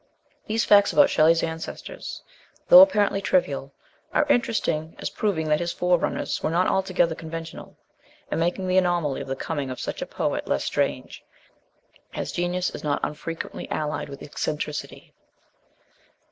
Thes^ facts about Shelley's ancestors, though apparently trivial, are interesting as proving that his forerunners were not altogether conventional, and making the anomaly of the coining of such a poet less strange, as genius is not unfre quently allied with eccentricity.